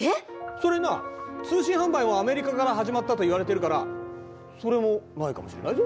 それにな通信販売もアメリカから始まったといわれてるからそれもないかもしれないぞ。